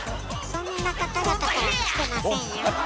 そんな方々から来てませんよ。